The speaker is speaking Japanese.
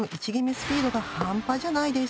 スピードが半端じゃないです。